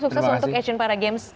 sukses untuk asian paragames